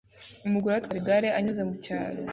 umugore atwara igare anyuze mucyaro